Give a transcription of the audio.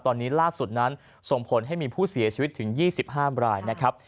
ตอนนี้ล่าสุดนั้นส่งผลให้มีผู้เสียชีวิตถึง๒๕รายนะครับ